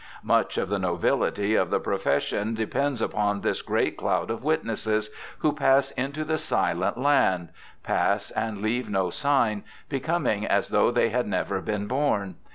Much of the nobility of the profession depends upon this great cloud of witnesses, who pass into the silent land— pass, and leave no sign, becoming as though they had never been born.